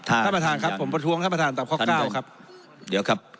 ท่านประธานครับผมประท้วงท่านประธานตามข้อเก้าครับเดี๋ยวครับ